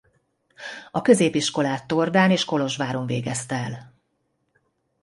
A középiskolát Tordán és Kolozsváron végezte el.